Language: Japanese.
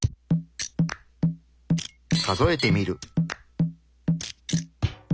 数えてみる。